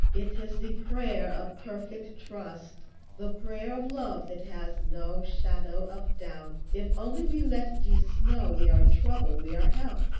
It is the prayer of perfect trust the prayer of love that has no shadow of doubt. If only we let Jesus know we are in trouble, we are helped.